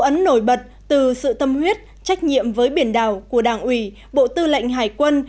ấn nổi bật từ sự tâm huyết trách nhiệm với biển đảo của đảng ủy bộ tư lệnh hải quân